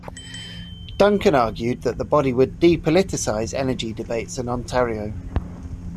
Duncan argued that the body would "depoliticize" energy debates in Ontario.